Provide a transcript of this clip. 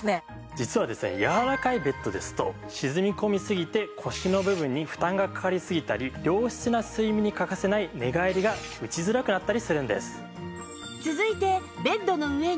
実はですねやわらかいベッドですと沈み込みすぎて腰の部分に負担がかかりすぎたり良質な睡眠に欠かせない寝返りが打ちづらくなったりするんです。